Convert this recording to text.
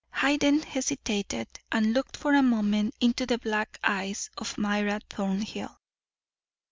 Hayden hesitated, and looked for a moment into the black eyes of Myra Thornhill.